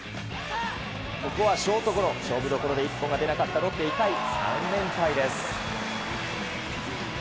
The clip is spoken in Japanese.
ここはショートゴロ、勝負どころで一本が出なかったロッテ、痛い３連敗です。